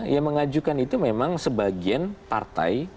yang mengajukan itu memang sebagian partai